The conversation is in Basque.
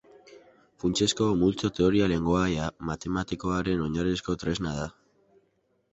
Funtsezko multzo-teoria lengoaia matematikoaren oinarrizko tresna da.